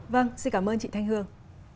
vâng xin cảm ơn chị thanh hương